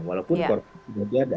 walaupun korban itu sudah diada